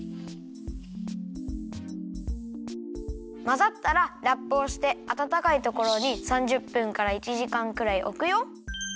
まざったらラップをしてあたたかいところに３０分から１じかんくらいおくよ。